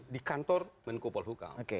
di kantor main kupol hukum